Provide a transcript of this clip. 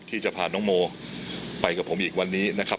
ที่จะพาน้องโมไปกับผมอีกวันนี้นะครับ